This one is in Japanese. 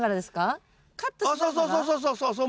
あっそうそうそうそうそうそう。